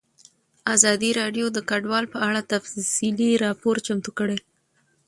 ازادي راډیو د کډوال په اړه تفصیلي راپور چمتو کړی.